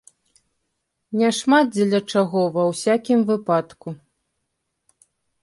Не шмат дзеля чаго, ва ўсякім выпадку.